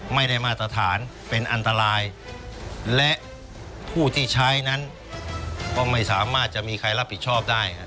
ไม่ได้มาตรฐานเป็นอันตรายและผู้ที่ใช้นั้นก็ไม่สามารถจะมีใครรับผิดชอบได้